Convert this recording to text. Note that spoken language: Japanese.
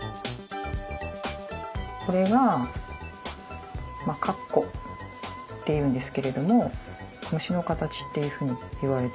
これが「かっこ」っていうんですけれども虫の形っていうふうにいわれてます。